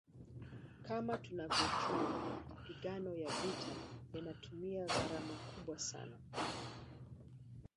Kama tunavyojua mapigano ya vita yanatumia gharama kubwa sana